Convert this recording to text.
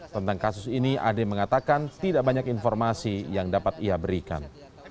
tentang kasus ini ade mengatakan tidak banyak informasi yang dapat ia berikan